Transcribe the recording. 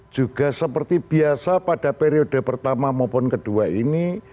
juga seperti biasa pada periode pertama maupun kedua ini